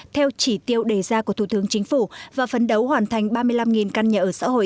theo chỉ tiêu đề ra của thủ tướng chính phủ và phấn đấu hoàn thành ba mươi năm căn nhà ở xã hội